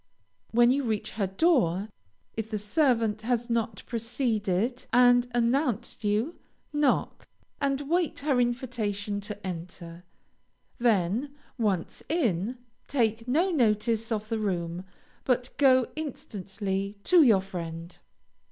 When you reach her door, if the servant has not preceded and announced you, knock, and await her invitation to enter. Then, once in, take no notice of the room, but go instantly to your friend.